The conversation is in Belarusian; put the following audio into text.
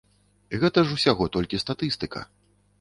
Гэта ж усяго толькі статыстыка.